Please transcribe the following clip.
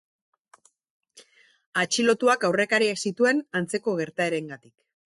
Atxilotuak aurrekariak zituen antzeko gertaerengatik.